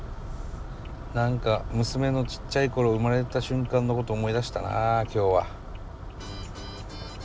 何か娘のちっちゃい頃生まれた瞬間のこと思い出したなあ今日は。